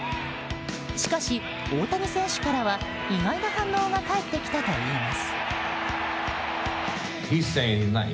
しかし、大谷選手からは意外な反応が返ってきたといいます。